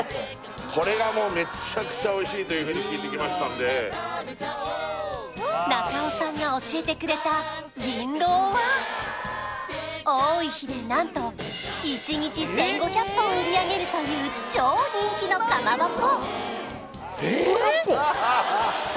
これがもうめちゃくちゃおいしいというふうに聞いてきましたんで中尾さんが教えてくれた銀浪は多い日で何と１日１５００本売り上げるという超人気のかまぼこ・